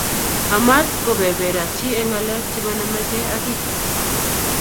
Amat koberberak chi eng'ng'alek che manamegei ak kiy.